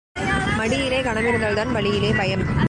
மடியிலே கனமிருந்தால்தான் வழியிலே பயம்.